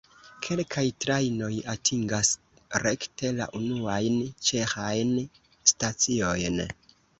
Kelkaj trajnoj atingas rekte la unuajn ĉeĥajn staciojn.